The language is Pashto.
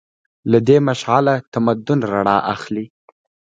له دې مشعله تمدن رڼا اخلي.